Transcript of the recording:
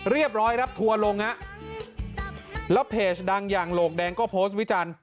เรียบร้อยครับทัวร์ลงฮะแล้วเพจดังอย่างโหลกแดงก็โพสต์วิจารณ์